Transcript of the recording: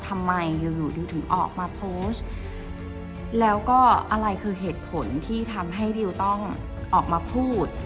ทำไมอยู่อยู่ดิวถึงออกมาโพสต์แล้วก็อะไรคือเหตุผลที่ทำให้ดิวต้องออกมาพูด